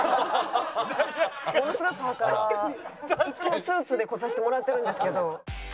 いつもスーツで来させてもらってるんですけど。